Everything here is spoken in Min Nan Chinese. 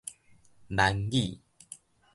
閩語